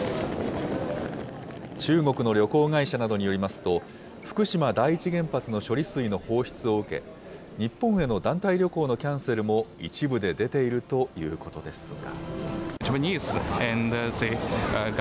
中国の旅行会社などによりますと、福島第一原発の処理水の放出を受け、日本への団体旅行のキャンセルも一部で出ているということですが。